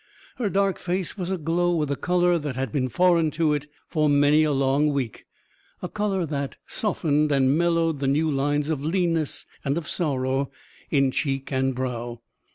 Her dark face was aglow with a colour that had been foreign to it for many a long week a colour that softened and mellowed the new lines of leanness and of sorrow in cheek and brow.